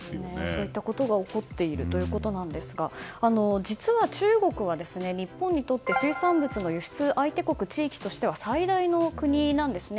そういったことが起こっているということですが実は中国は、日本にとって水産物の輸出相手国、地域として最大の国なんですね。